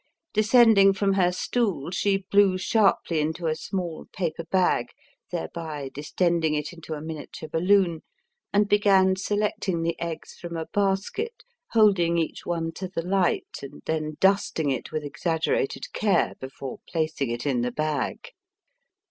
Descending from her stool, she blew sharply into a small paper bag, thereby distending it into a miniature balloon, and began selecting the eggs from a basket, holding each one to the light, and then dusting it with exaggerated care before placing it in the bag.